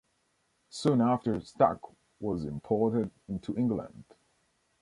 Soon after stock was imported into England.